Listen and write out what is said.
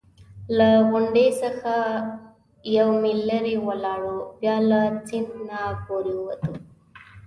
له غونډ څخه یو میل لرې ولاړو، بیا له سیند نه پورې ووتو.